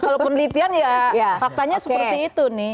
kalau penelitian ya faktanya seperti itu nih